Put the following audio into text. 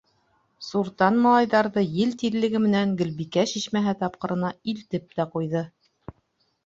Суртан малайҙарҙы ел тиҙлеге менән Гөлбикә шишмәһе тапҡырына илтеп тә ҡуйҙы.